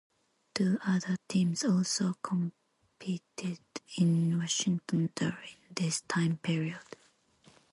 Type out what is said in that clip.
Two other teams also competed in Washington during this time period.